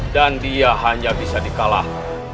dia hanya bisa dikalah